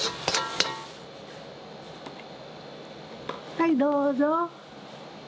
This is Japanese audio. はい、どうぞ。